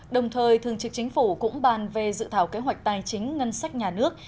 đồng thời thường trực chính phủ cũng bàn về dự thảo kế hoạch tài chính ngân sách nhà nước